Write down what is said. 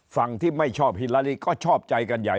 ฝั่งที่ไม่ชอบฮิลาลีก็ชอบใจกันใหญ่